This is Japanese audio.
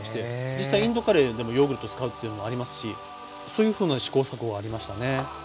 実際インドカレーでもヨーグルト使うっていうのもありますしそういうふうな試行錯誤はありましたね。